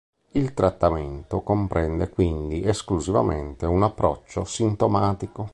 Il trattamento comprende quindi esclusivamente un approccio sintomatico.